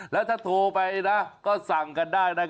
แล้วถ้าโทรไปนะก็สั่งกันได้นะครับ